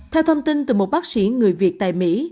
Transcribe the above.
theo thông tin từ một bác sĩ người việt tại mỹ